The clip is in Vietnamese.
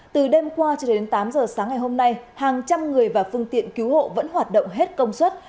từ đêm qua cho đến tám giờ sáng ngày hôm nay hàng trăm người và phương tiện cứu hộ vẫn hoạt động hết công suất